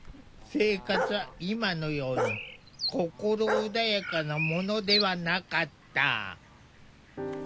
生活は今のように心穏やかなものではなかった。